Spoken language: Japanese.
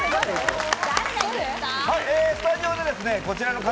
こちら。